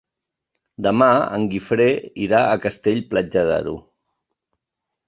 Demà en Guifré irà a Castell-Platja d'Aro.